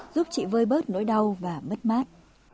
giúp chị vơi bớt nỗi đau và mất mát